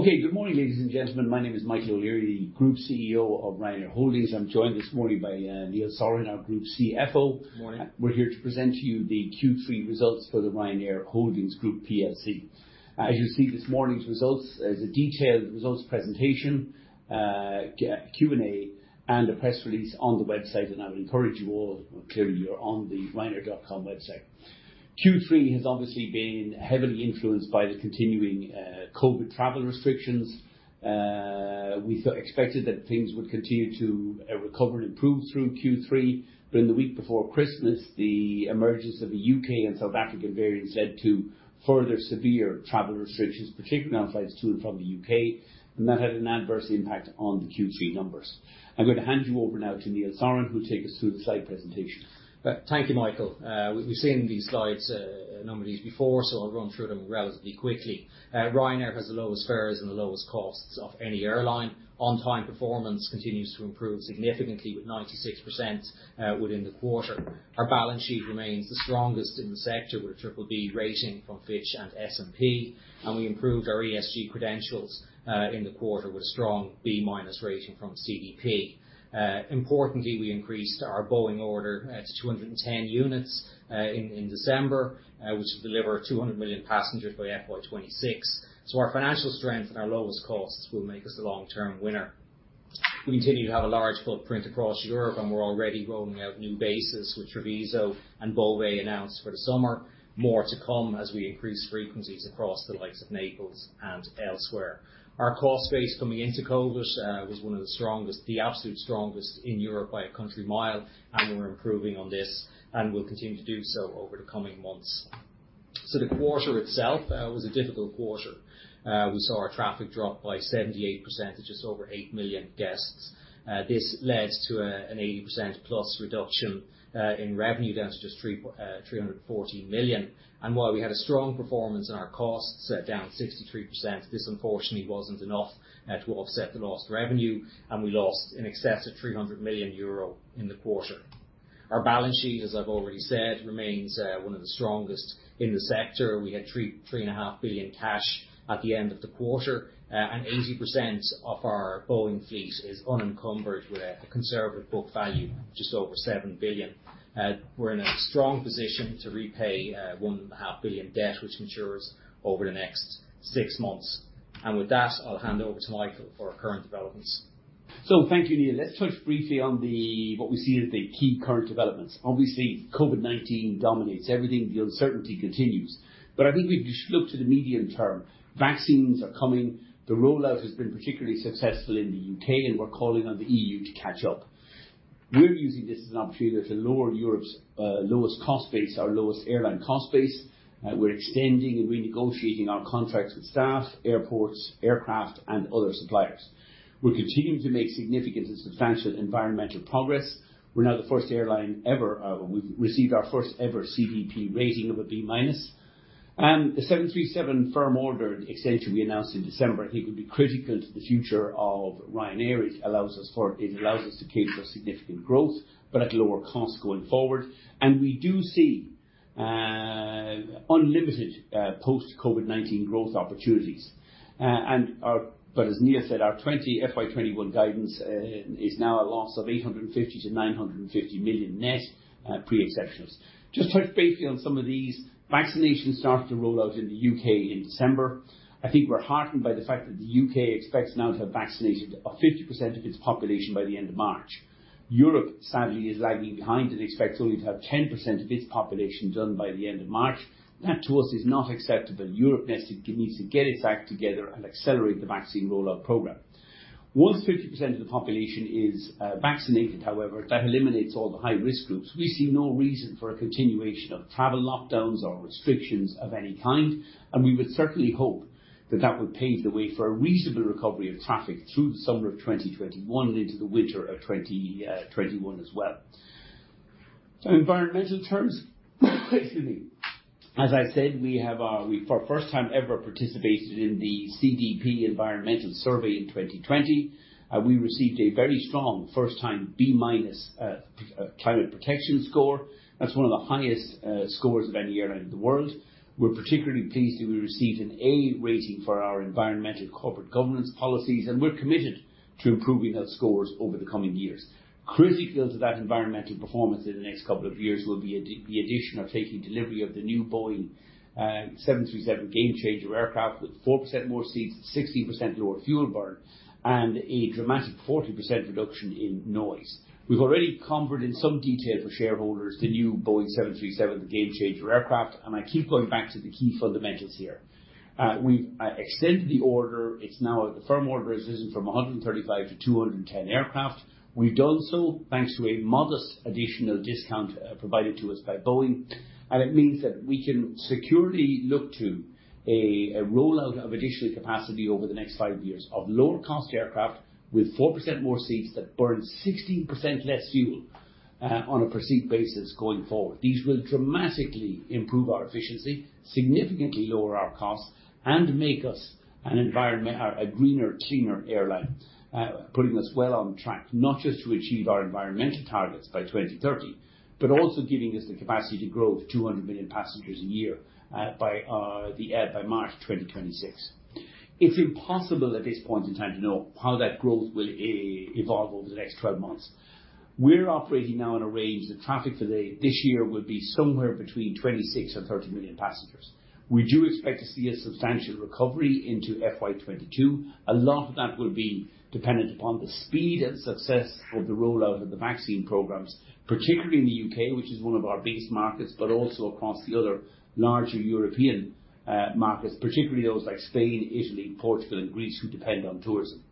Okay. Good morning, ladies and gentlemen. My name is Michael O'Leary, Group CEO of Ryanair Holdings. I'm joined this morning by Neil Sorahan, our Group CFO. Morning. We're here to present to you the Q3 results for the Ryanair Holdings plc. As you'll see, this morning's results, there's a detailed results presentation, Q&A, and a press release on the website, and I would encourage you all, clearly you're on the ryanair.com website. Q3 has obviously been heavily influenced by the continuing COVID travel restrictions. We expected that things would continue to recover and improve through Q3, but in the week before Christmas, the emergence of a U.K. and South African variant led to further severe travel restrictions, particularly on flights to and from the U.K., and that had an adverse impact on the Q3 numbers. I'm going to hand you over now to Neil Sorahan, who'll take us through the slide presentation. Thank you, Michael. We've seen these slides, a number of these before, so I'll run through them relatively quickly. Ryanair has the lowest fares and the lowest costs of any airline. On-time performance continues to improve significantly with 96% within the quarter. Our balance sheet remains the strongest in the sector with a BBB rating from Fitch and S&P, and we improved our ESG credentials in the quarter with a strong B-minus rating from CDP. Importantly, we increased our Boeing order to 210 units in December, which will deliver 200 million passengers by FY26. Our financial strength and our lowest costs will make us a long-term winner. We continue to have a large footprint across Europe, and we're already rolling out new bases with Treviso and Beauvais announced for the summer. More to come as we increase frequencies across the likes of Naples and elsewhere. Our cost base coming into COVID was one of the strongest, the absolute strongest in Europe by a country mile, and we're improving on this and will continue to do so over the coming months. The quarter itself was a difficult quarter. We saw our traffic drop by 78% to just over 8 million guests. This led to an 80%-plus reduction in revenue down to just 340 million. While we had a strong performance in our costs, down 63%, this unfortunately wasn't enough to offset the lost revenue, and we lost in excess of 300 million euro in the quarter. Our balance sheet, as I've already said, remains one of the strongest in the sector. We had 3.5 billion cash at the end of the quarter, and 80% of our Boeing fleet is unencumbered with a conservative book value just over 7 billion. We're in a strong position to repay 1.5 billion debt, which matures over the next six months. With that, I'll hand over to Michael for our current developments. Thank you, Neil. Let's touch briefly on what we see as the key current developments. Obviously, COVID-19 dominates everything. The uncertainty continues. I think we should look to the medium-term. Vaccines are coming. The rollout has been particularly successful in the U.K., and we're calling on the E.U. to catch up. We're using this as an opportunity to lower Europe's lowest cost base, our lowest airline cost base. We're extending and renegotiating our contracts with staff, airports, aircraft, and other suppliers. We're continuing to make significant and substantial environmental progress. We've received our first ever CDP rating of a B-minus. The 737 firm order extension we announced in December I think will be critical to the future of Ryanair. It allows us to cater for significant growth, but at lower cost going forward. We do see unlimited post-COVID-19 growth opportunities. As Neil said, our FY21 guidance is now a loss of 850 million-950 million net, pre-exceptionals. Just touch briefly on some of these. Vaccinations started to roll out in the U.K. in December. I think we're heartened by the fact that the U.K. expects now to have vaccinated 50% of its population by the end of March. Europe, sadly, is lagging behind and expects only to have 10% of its population done by the end of March. That, to us, is not acceptable. Europe needs to get its act together and accelerate the vaccine rollout program. Once 50% of the population is vaccinated, however, that eliminates all the high-risk groups. We see no reason for a continuation of travel lockdowns or restrictions of any kind. We would certainly hope that that would pave the way for a reasonable recovery of traffic through the summer of 2021 and into the winter of 2021 as well. Environmental terms. Excuse me. As I said, we have for the first time ever participated in the CDP Environmental Survey in 2020. We received a very strong first-time B-minus climate protection score. That's one of the highest scores of any airline in the world. We're particularly pleased that we received an A rating for our environmental corporate governance policies. We're committed to improving those scores over the coming years. Critical to that environmental performance in the next couple of years will be the addition or taking delivery of the new Boeing 737 Gamechanger aircraft with 4% more seats, 16% lower fuel burn, and a dramatic 40% reduction in noise. I keep going back to the key fundamentals here. We've already covered in some detail for shareholders the new Boeing 737, the Gamechanger aircraft. We've extended the order. The firm order is from 135 to 210 aircraft. It means that we can securely look to a rollout of additional capacity over the next five years of lower cost aircraft with 4% more seats that burn 16% less fuel on a per seat basis going forward. These will dramatically improve our efficiency, significantly lower our costs, and make us a greener, cleaner airline, putting us well on track, not just to achieve our environmental targets by 2030, but also giving us the capacity to grow 200 million passengers a year by March 2026. It's impossible at this point in time to know how that growth will evolve over the next 12 months. We're operating now in a range that traffic for this year will be somewhere between 26 and 30 million passengers. We do expect to see a substantial recovery into FY22. A lot of that will be dependent upon the speed and success of the rollout of the vaccine programs, particularly in the U.K., which is one of our biggest markets, but also across the other larger European markets, particularly those like Spain, Italy, Portugal, and Greece who depend on tourism.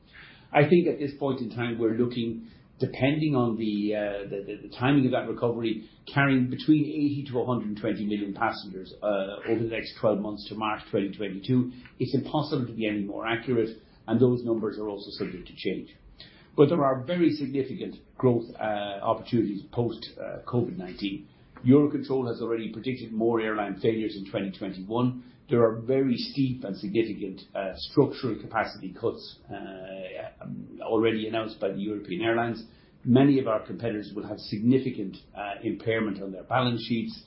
I think at this point in time, we're looking, depending on the timing of that recovery, carrying between 80 to 120 million passengers over the next 12 months to March 2022. It's impossible to be any more accurate, and those numbers are also subject to change. There are very significant growth opportunities post-COVID-19. EUROCONTROL has already predicted more airline failures in 2021. There are very steep and significant structural capacity cuts already announced by the European airlines. Many of our competitors will have significant impairment on their balance sheets,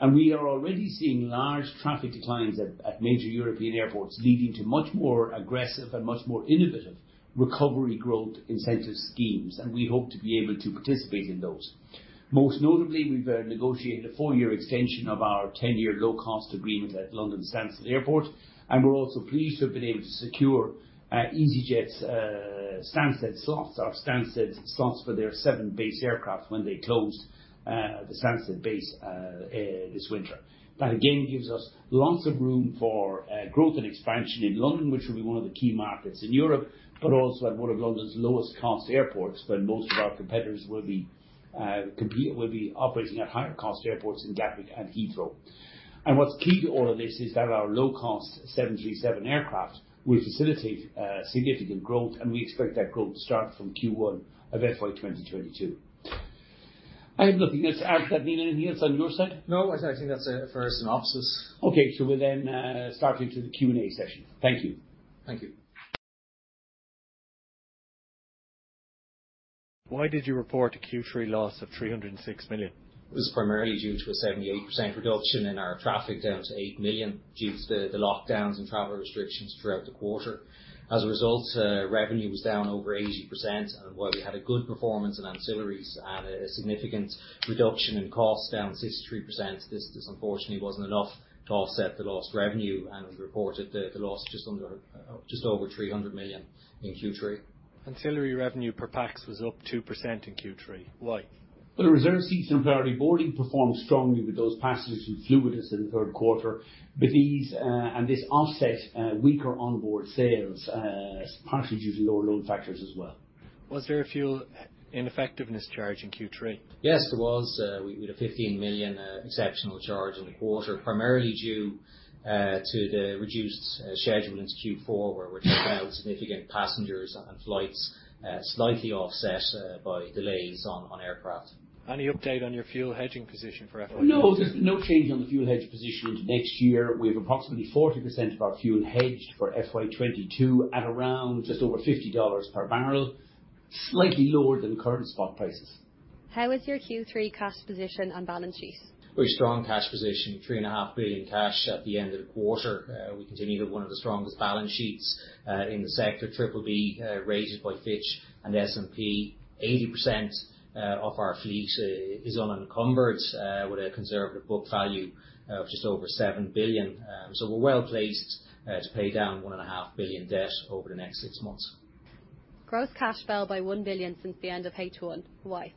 and we are already seeing large traffic declines at major European airports, leading to much more aggressive and much more innovative recovery growth incentive schemes. We hope to be able to participate in those. Most notably, we've negotiated a four-year extension of our 10-year low-cost agreement at London Stansted Airport. We're also pleased to have been able to secure easyJet's Stansted slots for their seven base aircraft when they close the Stansted base this winter. That again gives us lots of room for growth and expansion in London, which will be one of the key markets in Europe, but also at one of London's lowest cost airports, when most of our competitors will be operating at higher cost airports in Gatwick and Heathrow. What's key to all of this is that our low-cost 737 aircraft will facilitate significant growth, and we expect that growth to start from Q1 of FY 2022. I have nothing else to add. Damien, anything else on your side? No, I think that's it for a synopsis. Okay. We'll then start into the Q&A session. Thank you. Thank you. Why did you report a Q3 loss of 306 million? It was primarily due to a 78% reduction in our traffic down to 8 million due to the lockdowns and travel restrictions throughout the quarter. As a result, revenue was down over 80%, and while we had a good performance in ancillaries and a significant reduction in cost down 63%, this unfortunately wasn't enough to offset the lost revenue and we reported the loss just over 300 million in Q3. Ancillary revenue per pax was up 2% in Q3. Why? Well, the reserved seats and priority boarding performed strongly with those passengers who flew with us in the third quarter. This offset weaker onboard sales, partially due to lower load factors as well. Was there a fuel ineffectiveness charge in Q3? Yes, there was. We had a 15 million exceptional charge in the quarter, primarily due to the reduced schedule into Q4, where we took out significant passengers and flights, slightly offset by delays on aircraft. Any update on your fuel hedging position for FY22? No. There's no change on the fuel hedge position into next year. We have approximately 40% of our fuel hedged for FY 2022 at around just over $50 per barrel, slightly lower than current spot prices. How is your Q3 cash position and balance sheet? Very strong cash position. 3.5 billion cash at the end of the quarter. We continue to have one of the strongest balance sheets in the sector. BBB rated by Fitch and S&P. 80% of our fleet is unencumbered with a conservative book value of just over 7 billion. We're well-placed to pay down one and a half billion debt over the next six months. Gross cash fell by 1 billion since the end of 1H. Why?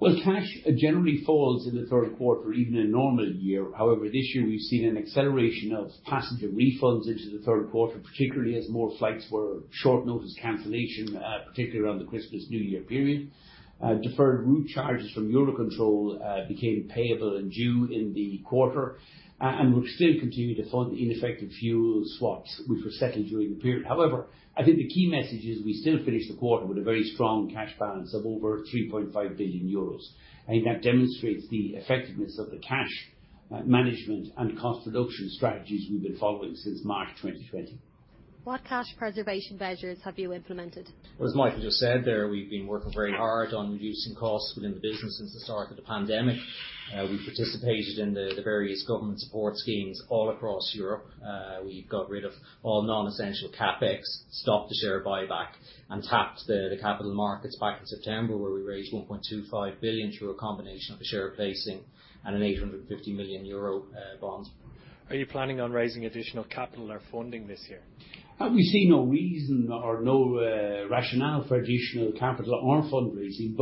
Well, cash generally falls in the third quarter, even in normal year. This year we've seen an acceleration of passenger refunds into the third quarter, particularly as more flights were short notice cancellation, particularly around the Christmas, New Year period. Deferred route charges from EUROCONTROL became payable and due in the quarter. We still continue to fund ineffective fuel swaps, which were settled during the period. I think the key message is we still finished the quarter with a very strong cash balance of over 3.5 billion euros. I think that demonstrates the effectiveness of the cash management and cost reduction strategies we've been following since March 2020. What cash preservation measures have you implemented? As Michael just said there, we've been working very hard on reducing costs within the business since the start of the pandemic. We participated in the various government support schemes all across Europe. We got rid of all non-essential CapEx, stopped the share buyback, and tapped the capital markets back in September, where we raised 1.25 billion through a combination of a share placing and an 850 million euro bonds. Are you planning on raising additional capital or funding this year? We see no reason or no rationale for additional capital or fundraising.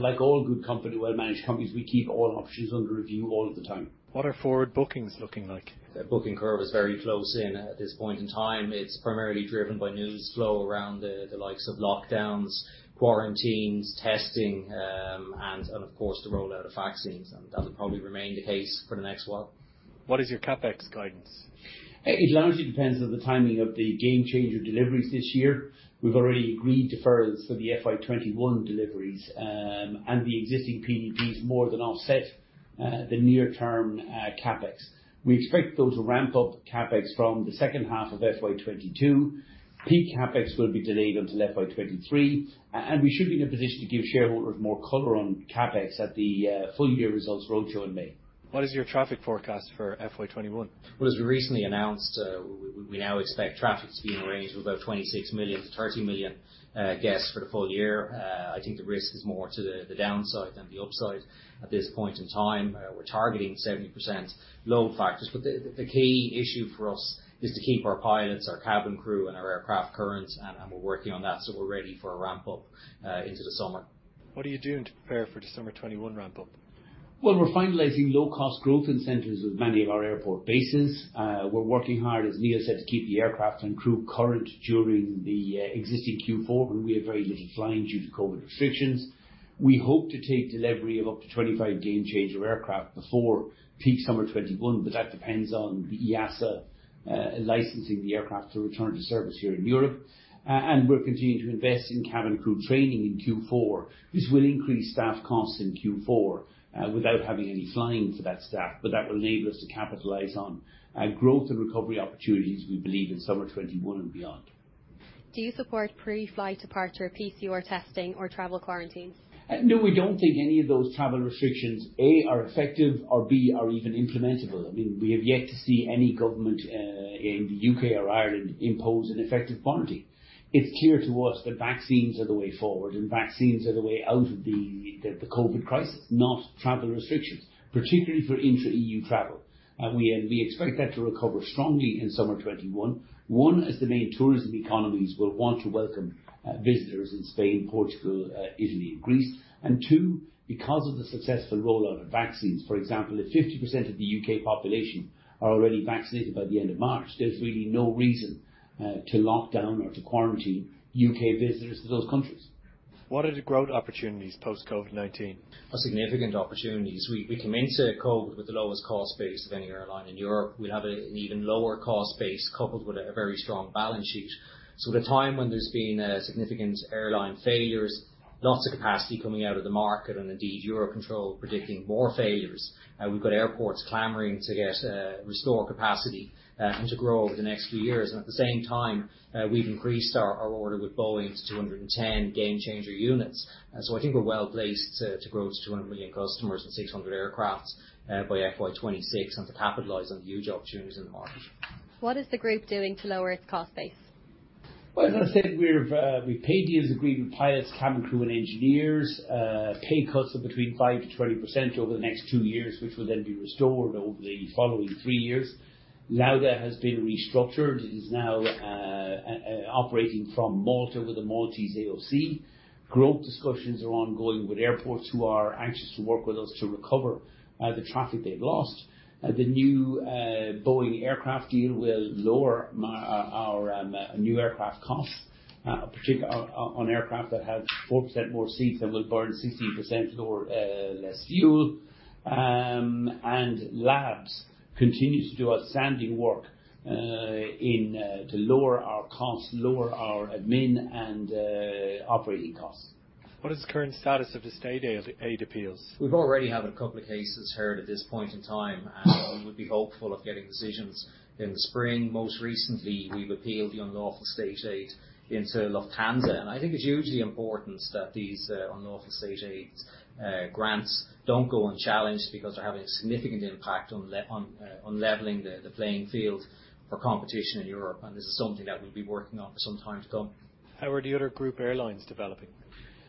Like all good companies, well-managed companies, we keep all options under review all of the time. What are forward bookings looking like? The booking curve is very close in at this point in time. It's primarily driven by news flow around the likes of lockdowns, quarantines, testing, and of course, the rollout of vaccines. That'll probably remain the case for the next while. What is your CapEx guidance? It largely depends on the timing of the Gamechanger deliveries this year. We've already agreed deferrals for the FY21 deliveries, and the existing PDPs more than offset the near-term CapEx. We expect, though, to ramp up CapEx from the second half of FY22. Peak CapEx will be delayed until FY23, and we should be in a position to give shareholders more color on CapEx at the full-year results roadshow in May. What is your traffic forecast for FY 2021? Well, as we recently announced, we now expect traffic to be in the range of about 26 million-30 million guests for the full year. I think the risk is more to the downside than the upside at this point in time. We're targeting 70% load factors. The key issue for us is to keep our pilots, our cabin crew, and our aircraft current, and we're working on that so we're ready for a ramp-up into the summer. What are you doing to prepare for the summer 2021 ramp-up? Well, we're finalizing low-cost growth incentives with many of our airport bases. We're working hard, as Neil said, to keep the aircraft and crew current during the existing Q4 when we have very little flying due to COVID restrictions. We hope to take delivery of up to 25 Gamechanger aircraft before peak summer 2021, but that depends on the EASA licensing the aircraft to return to service here in Europe. We're continuing to invest in cabin crew training in Q4. This will increase staff costs in Q4 without having any flying for that staff, but that will enable us to capitalize on growth and recovery opportunities we believe in summer 2021 and beyond. Do you support pre-flight departure PCR testing or travel quarantines? No, we don't think any of those travel restrictions, A, are effective, or B, are even implementable. We have yet to see any government in the U.K. or Ireland impose an effective quarantine. It's clear to us that vaccines are the way forward and vaccines are the way out of the COVID crisis, not travel restrictions, particularly for intra-EU travel. We expect that to recover strongly in summer 2021. One, as the main tourism economies will want to welcome visitors in Spain, Portugal, Italy, and Greece. Two, because of the successful rollout of vaccines. For example, if 50% of the U.K. population are already vaccinated by the end of March, there's really no reason to lock down or to quarantine U.K. visitors to those countries. What are the growth opportunities post-COVID-19? Significant opportunities. We came into COVID with the lowest cost base of any airline in Europe. We have an even lower cost base coupled with a very strong balance sheet. At a time when there's been significant airline failures, lots of capacity coming out of the market, and indeed, EUROCONTROL predicting more failures, we've got airports clamoring to restore capacity and to grow over the next few years. At the same time, we've increased our order with Boeing to 210 Gamechanger units. I think we're well-placed to grow to 200 million customers and 600 aircraft by FY26 and to capitalize on the huge opportunities in the market. What is the group doing to lower its cost base? Well, as I said, we pay deals agreed with pilots, cabin crew, and engineers. Pay cuts of between 5%-20% over the next two years, which will then be restored over the following three years. Lauda has been restructured. It is now operating from Malta with a Maltese AOC. Growth discussions are ongoing with airports who are anxious to work with us to recover the traffic they've lost. The new Boeing aircraft deal will lower our new aircraft cost on aircraft that have 4% more seats that will burn 16% less fuel. Labs continue to do outstanding work to lower our costs, lower our admin and operating costs. What is the current status of the state aid appeals? We've already had a couple of cases heard at this point in time, and we would be hopeful of getting decisions in the spring. Most recently, we've appealed the unlawful state aid into Lufthansa, and I think it's hugely important that these unlawful state aid grants don't go unchallenged because they're having a significant impact on leveling the playing field for competition in Europe, and this is something that we'll be working on for some time to come. How are the other group airlines developing?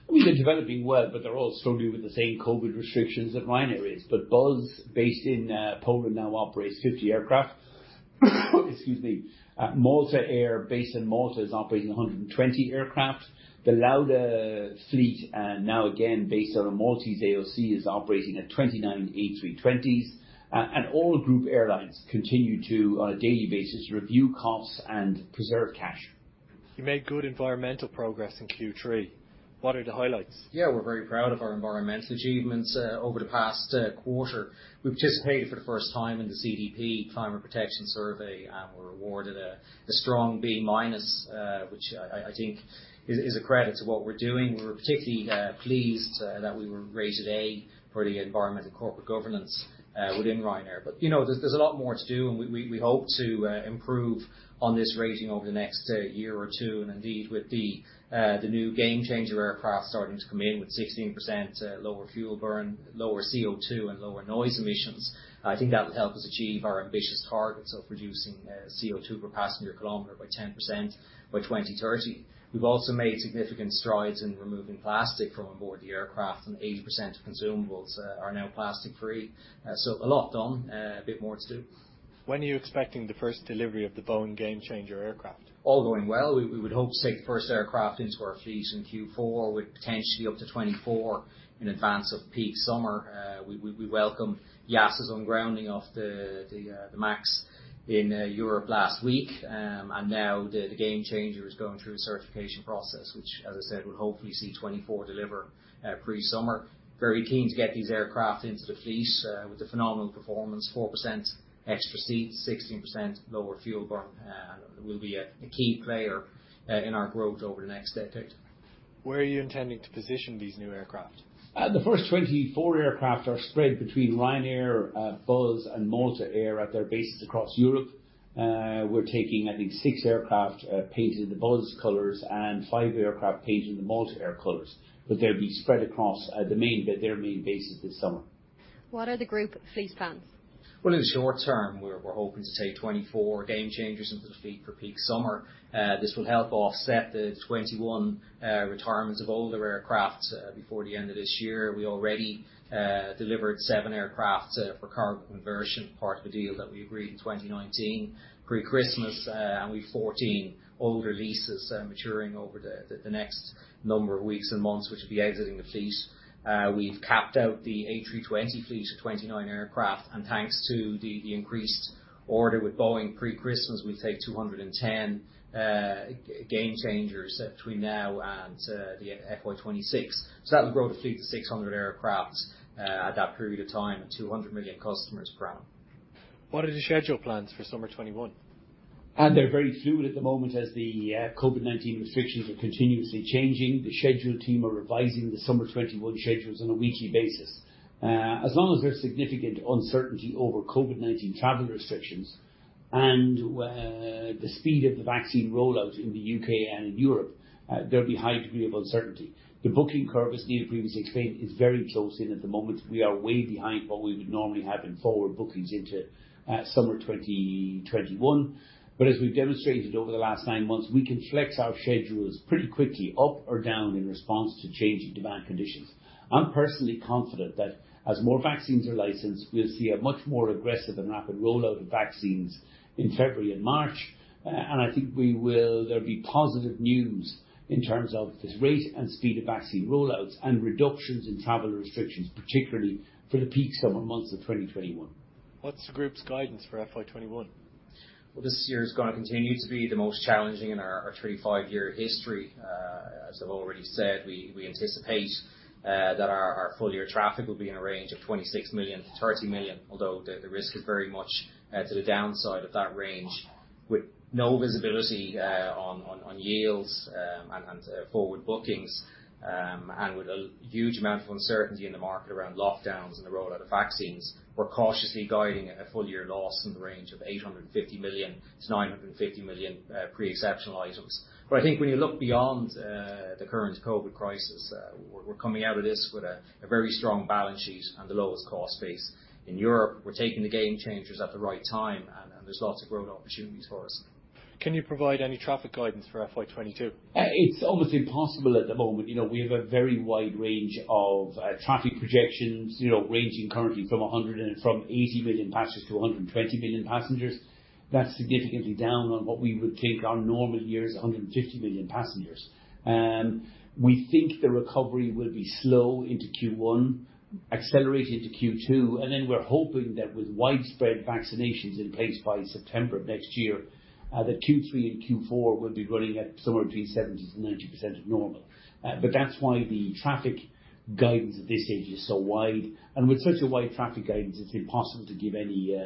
They're developing well, but they're all struggling with the same COVID restrictions that Ryanair is. Buzz, based in Poland, now operates 50 aircraft. Excuse me. Malta Air, based in Malta, is operating 120 aircraft. The Lauda fleet, now again based on a Maltese AOC, is operating at 29 A320s. All group airlines continue to, on a daily basis, review costs and preserve cash. You made good environmental progress in Q3. What are the highlights? Yeah, we're very proud of our environmental achievements over the past quarter. We've participated for the first time in the CDP Climate Protection Survey, and we were awarded a strong B minus, which I think is a credit to what we're doing. We were particularly pleased that we were rated A for the environmental corporate governance within Ryanair. There's a lot more to do, and we hope to improve on this rating over the next year or two. Indeed, with the new Gamechanger aircraft starting to come in with 16% lower fuel burn, lower CO2, and lower noise emissions, I think that will help us achieve our ambitious targets of reducing CO2 per passenger kilometer by 10% by 2030. We've also made significant strides in removing plastic from onboard the aircraft. 80% of consumables are now plastic-free. A lot done, a bit more to do. When are you expecting the first delivery of the Boeing Gamechanger aircraft? All going well, we would hope to take the first aircraft into our fleet in Q4, with potentially up to 24 in advance of peak summer. We welcome EASA's ungrounding of the MAX in Europe last week, and now the Gamechanger is going through the certification process, which as I said, we hope to see 24 deliver pre-summer. Very keen to get these aircraft into the fleet with the phenomenal performance, 4% extra seats, 16% lower fuel burn, will be a key player in our growth over the next decade. Where are you intending to position these new aircraft? The first 24 aircraft are spread between Ryanair, Buzz and Malta Air at their bases across Europe. We're taking, I think six aircraft painted in the Buzz colors and five aircraft painted in the Malta Air colors, but they'll be spread across their main bases this summer. What are the group fleet plans? Well, in the short term, we're hoping to take 24 Gamechangers into the fleet for peak summer. This will help offset the 21 retirements of older aircraft before the end of this year. We already delivered seven aircraft for cargo conversion, part of a deal that we agreed in 2019 pre-Christmas. We've 14 older leases maturing over the next number of weeks and months, which will be exiting the fleet. We've capped out the A320 fleet of 29 aircraft, and thanks to the increased order with Boeing pre-Christmas, we take 210 Gamechangers between now and the FY 2026. That will grow the fleet to 600 aircraft at that period of time, at 200 million customers per annum. What are the schedule plans for summer 2021? They're very fluid at the moment, as the COVID-19 restrictions are continuously changing. The schedule team are revising the summer 2021 schedules on a weekly basis. As long as there's significant uncertainty over COVID-19 travel restrictions and the speed of the vaccine rollout in the U.K. and in Europe, there'll be a high degree of uncertainty. The booking curve, as Neil previously explained, is very close in at the moment. We are way behind what we would normally have in forward bookings into summer 2021. As we've demonstrated over the last nine months, we can flex our schedules pretty quickly, up or down, in response to changing demand conditions. I'm personally confident that as more vaccines are licensed, we'll see a much more aggressive and rapid rollout of vaccines in February and March. I think there will be positive news in terms of the rate and speed of vaccine rollouts and reductions in travel restrictions, particularly for the peak summer months of 2021. What's the group's guidance for FY21? Well, this year is going to continue to be the most challenging in our 35-year history. As I've already said, we anticipate that our full-year traffic will be in a range of 26 million-30 million, although the risk is very much to the downside of that range. With no visibility on yields and forward bookings, and with a huge amount of uncertainty in the market around lockdowns and the rollout of vaccines, we're cautiously guiding a full-year loss in the range of 850 million-950 million pre-exceptional items. I think when you look beyond the current COVID crisis, we're coming out of this with a very strong balance sheet and the lowest cost base in Europe. We're taking the Gamechangers at the right time, and there's lots of growth opportunities for us. Can you provide any traffic guidance for FY 2022? It's almost impossible at the moment. We have a very wide range of traffic projections, ranging currently from 80 million passengers to 120 million passengers. That's significantly down on what we would take our normal years, 150 million passengers. We think the recovery will be slow into Q1, accelerated to Q2, and then we're hoping that with widespread vaccinations in place by September of next year, that Q3 and Q4 will be running at somewhere between 70% and 90% of normal. That's why the traffic guidance at this stage is so wide. With such a wide traffic guidance, it's impossible to give any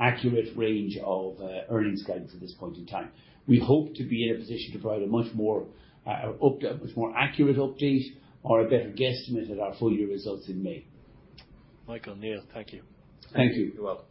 accurate range of earnings guidance at this point in time. We hope to be in a position to provide a much more accurate update or a better guesstimate at our full-year results in May. Michael, Neil, thank you. Thank you. You're welcome.